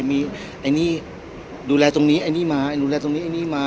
มีอันนี้ดูแลตรงนี้อันนี้มาดูแลตรงนี้อันนี้มา